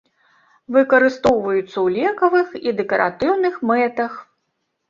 Выкарыстоўваюцца ў лекавых і дэкаратыўных мэтах.